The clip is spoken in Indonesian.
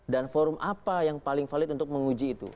dan forum apa yang paling valid untuk menguji itu